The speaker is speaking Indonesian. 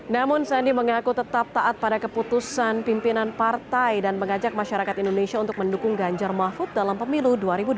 namun sandi mengaku tetap taat pada keputusan pimpinan partai dan mengajak masyarakat indonesia untuk mendukung ganjar mahfud dalam pemilu dua ribu dua puluh